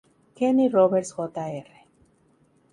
Kenny Roberts, Jr.